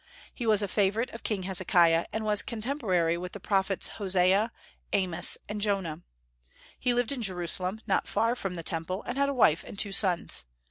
He was a favorite of King Hezekiah, and was contemporary with the prophets Hosea, Amos, and Jonah. He lived in Jerusalem, not far from the Temple, and had a wife and two sons.